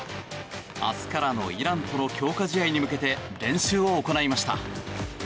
明日からのイランとの強化試合に向けて練習を行いました。